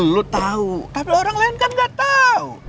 lu tau tapi orang lain kan gak tau